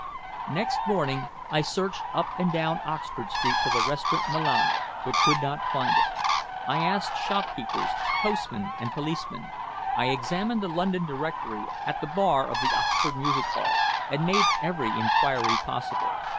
Next morning I searched up and down Oxford Street for the Restaurant Milano, but could not find it. I asked shopkeepers, postmen, and policemen; I examined the London Directory at the bar of the Oxford Music Hall, and made every inquiry possible.